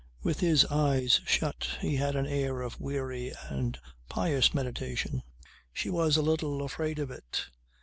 With his eyes shut he had an air of weary and pious meditation. She was a little afraid of it.